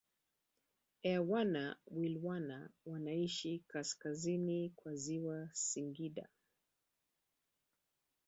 Airwana Wilwana wanaishi kaskazini kwa ziwa Singida